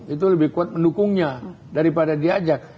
itu lebih kuat mendukungnya daripada diajak